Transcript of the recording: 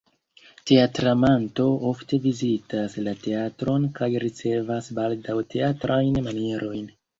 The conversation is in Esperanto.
Teatramanto ofte vizitas la teatron kaj ricevas baldaŭ teatrajn manierojn.